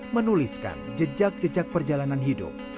menuliskan jejak jejak perjalanan hidup